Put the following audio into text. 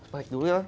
balik dulu ya